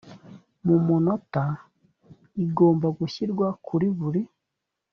mu munota igomba gushyirwa kuri buri